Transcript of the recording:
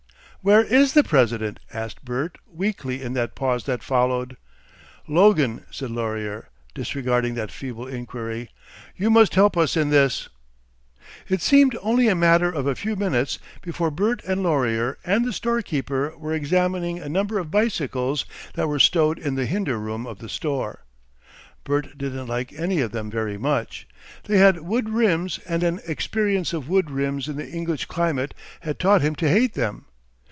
"Where is the President?" asked Bert weakly in that pause that followed. "Logan," said Laurier, disregarding that feeble inquiry, "you must help us in this." It seemed only a matter of a few minutes before Bert and Laurier and the storekeeper were examining a number of bicycles that were stowed in the hinder room of the store. Bert didn't like any of them very much. They had wood rims and an experience of wood rims in the English climate had taught him to hate them.